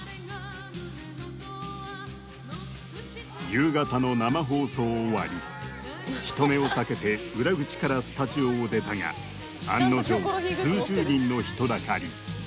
夕方の生放送終わり人目を避けて裏口からスタジオを出たが案の定数十人の人だかり